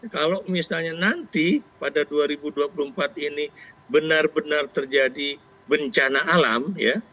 kalau misalnya nanti pada dua ribu dua puluh empat ini benar benar terjadi bencana alam ya